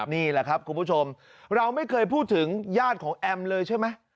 นี่แหละครับคุณผู้ชมเราไม่เคยพูดถึงญาติของแอมเลยใช่ไหม